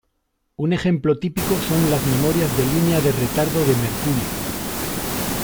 Un ejemplo típico son las memorias de línea de retardo de mercurio.